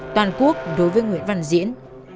toàn quốc đối với nguyễn văn diễn